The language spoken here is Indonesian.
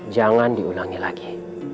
jangan diulangi lagi